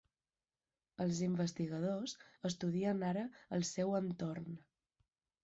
Els investigadors estudien ara el seu entorn.